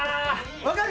分かる？